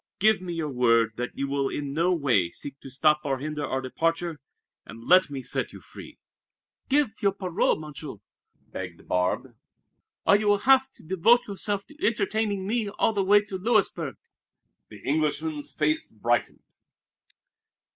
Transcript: Give me your word that you will in no way seek to stop or hinder our departure, and let me set you free!" "Give your parole, Monsieur!" begged Barbe, "or you will have to devote yourself to entertaining me all the way to Louisburg." The Englishman's face brightened.